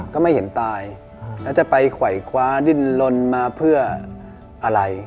ก็ไม่เห็นตายแล้วจะไปไขวคว้าดิ้นลนมาเพื่ออะไร